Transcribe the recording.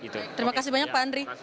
terima kasih banyak pak andri